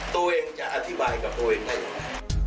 ตัวเองจะอธิบายกับตัวเองได้ยังไง